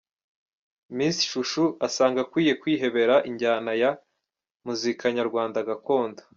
Miss Chouchou asanga akwiye kwihebera injyana ya muzika nyarwanda gakondo.